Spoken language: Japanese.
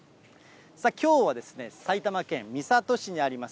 きょうは、埼玉県三郷市にあります